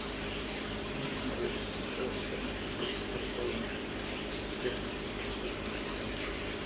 Este modelo puede aplicarse a trabajos ordenador que esperan tiempo de procesador.